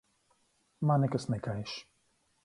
Man nekas nekaiš.